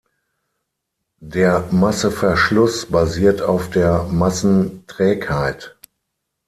Der Masseverschluss basiert auf der Massenträgheit.